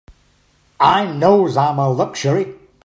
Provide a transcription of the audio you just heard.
I knows I'm a luxury.